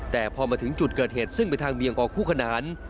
แต่พอมาถึงจุดเกิดเหตุซึ่งเป็นทางเบี่ยงออกคู่ขนาน